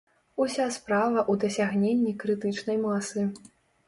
Уся справа ў дасягненні крытычнай масы.